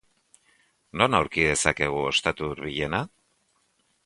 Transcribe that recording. Non aurki dezakegu ostatu hurbilena?